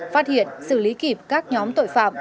phát hiện xử lý kịp các nhóm tội phạm